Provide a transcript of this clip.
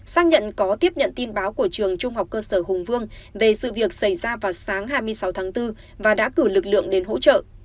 xác nhận có tiếp nhận tin báo của trường trung học cơ sở hùng vương về sự việc xảy ra vào sáng hai mươi sáu tháng bốn và đã cử lực lượng đến hỗ trợ